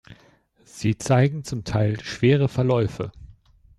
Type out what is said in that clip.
Sie zeigen zum Teil schwere Verläufe.